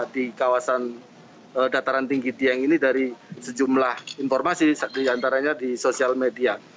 di kawasan dataran tinggi dieng ini dari sejumlah informasi diantaranya di sosial media